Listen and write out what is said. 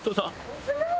すごい！